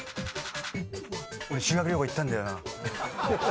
俺修学旅行行ったんだよな。